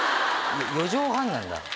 四畳半なんだ。